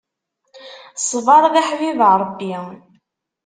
Ṣṣbeṛ d aḥbib n Ṛebbi.